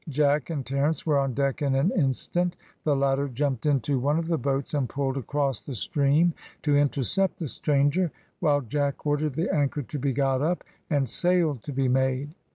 Jack and Terence were on deck in an instant; the latter jumped into one of the boats and pulled across the stream to intercept the stranger, while Jack ordered the anchor to be got up, and sail to be made.